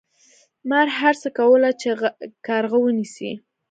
مار هڅه کوله چې کارغه ونیسي.